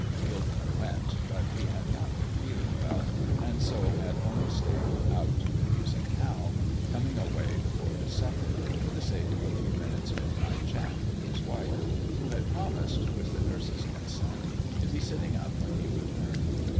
Gilderman went, but he had not been feeling well, and so had only stayed out the musicale, coming away before the supper, for the sake of a few minutes' midnight chat with his wife, who had promised, with the nurse's consent, to be sitting up when he returned.